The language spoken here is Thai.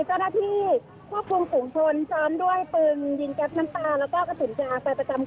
และก็เป็นการเปิดทางทางฝุ่นผู้จำนมให้เข้ามาที่สะ่ำวิธรรณวรรณศิษฐธิ์